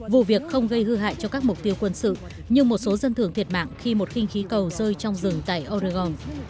vụ việc không gây hư hại cho các mục tiêu quân sự nhưng một số dân thường thiệt mạng khi một khinh khí cầu rơi trong rừng tại oregon